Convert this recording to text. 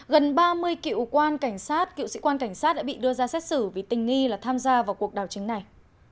gần ba mươi cựu quan cảnh sát cựu sĩ quan cảnh sát đã bị đưa ra xét xử vì tình nghi là tham gia vào cuộc đảo chính này